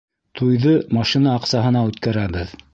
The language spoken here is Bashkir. Туйҙы машина аҡсаһына үткәрәбеҙ.